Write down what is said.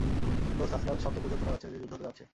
দোস্ত, আজকাল শক্ত গুজব শোনা যাচ্ছে যে যুদ্ধ হতে যাচ্ছে।